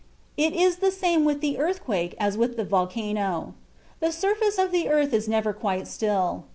It is the same with the earthquake as with the volcano. The surface of the earth is never quite still.